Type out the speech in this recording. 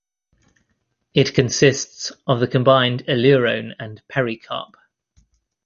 It consists of the combined aleurone and pericarp.